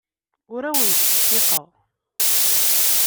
Ur awen-ttseffiqeɣ.